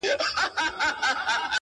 د څه ووايم سرې تبې نيولی پروت دی!!